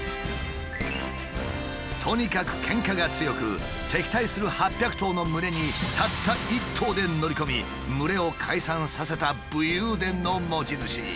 とにかくケンカが強く敵対する８００頭の群れにたった一頭で乗り込み群れを解散させた武勇伝の持ち主。